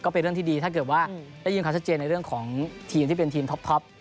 เป็นเรื่องที่ดีถ้าเกิดว่าได้ยินความชัดเจนในเรื่องของทีมที่เป็นทีมท็อป